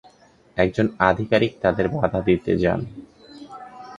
একজন আধিকারিক তাদের বাধা দিতে যান।